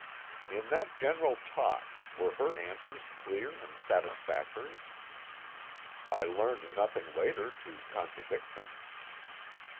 "In that general talk, were her answers clear and satisfactory?" "I learned nothing later to contradict them."